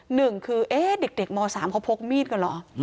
หนึ่งคือเอ๊ะเด็กม๓เขาพกมีดกันเหรอ